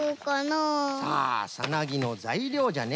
ああサナギのざいりょうじゃね。